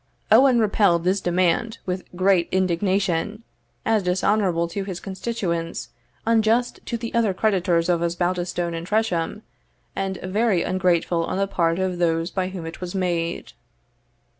Owen repelled this demand with great indignation, as dishonourable to his constituents, unjust to the other creditors of Osbaldistone and Tresham, and very ungrateful on the part of those by whom it was made.